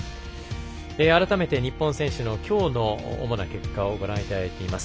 改めて日本選手のきょうの主な結果をご覧いただいています。